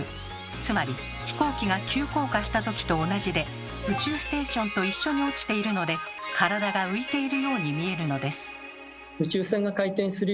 つまり飛行機が急降下した時と同じで宇宙ステーションと一緒に落ちているので体が浮いているように見えるのです。